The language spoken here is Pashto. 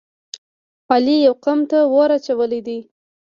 علی یوه قوم ته اور اچولی دی.